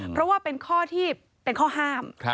เพราะว่าเป็นข้อที่เป็นข้อห้าม